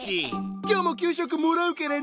今日も給食もらうからな！